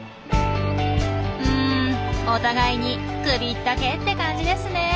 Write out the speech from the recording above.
うんお互いに首ったけって感じですね。